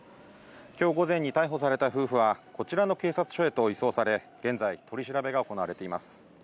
きょう午前に逮捕された夫婦は、こちらの警察署へと移送され、現在、取り調べが行われています。